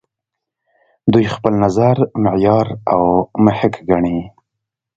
دوی خپل نظر معیار او محک ګڼي.